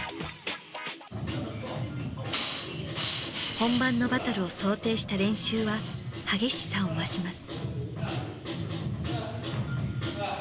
本番のバトルを想定した練習は激しさを増します。